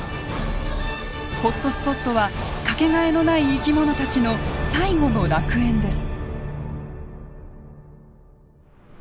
ホットスポットは掛けがえのない生き物たちの最後の楽園です。